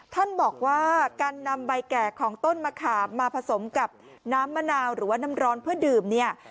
ท่านบอกว่าการนำใบแก่ของต้นมะขามมาผสมกับน้ำมะนาวหรือว่าน้ำร้อนเพื่อดื่มเนี่ย